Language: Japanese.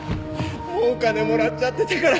もうお金もらっちゃってたから。